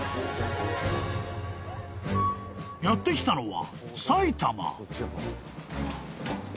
［やって来たのは］